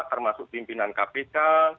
termasuk pimpinan kpk